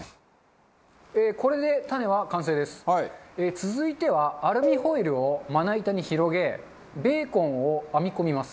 続いてはアルミホイルをまな板に広げベーコンを編み込みます。